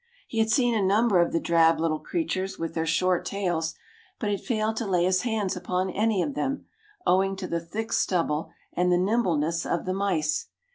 He had seen a number of the drab little creatures with their short tails, but had failed to lay his hands upon any of them, owing to the thick stubble and the nimbleness of the mice.